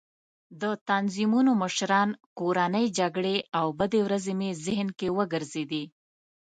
د تنظیمونو مشران، کورنۍ جګړې او بدې ورځې مې ذهن کې وګرځېدې.